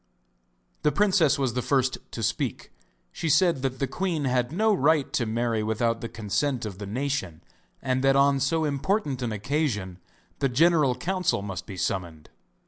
The princess was the first to speak. She said that the queen had no right to marry without the consent of the nation, and that on so important an occasion the general council must be summoned.